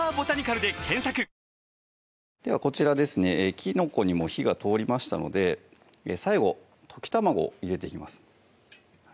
きのこにも火が通りましたので最後溶き卵入れていきます